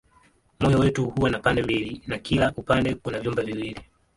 Moyo wetu huwa na pande mbili na kila upande kuna vyumba viwili.